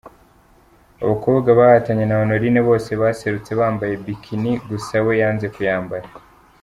Abakobwa bahatanye na Honoline bose baserutse bambaye Bikini gusa we yanze kuyambara.